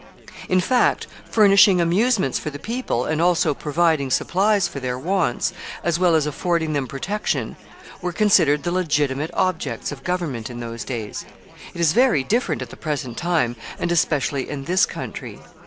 ] In fact, furnishing amusements for the people, and also providing supplies for their wants, as well as affording them protection, were considered the legitimate objects of government in those days. It is very different at the present time, and especially in this country.